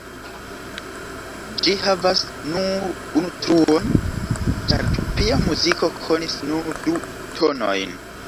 Ĝi havas nur unu truon ĉar tupia muziko konis nur du tonojn.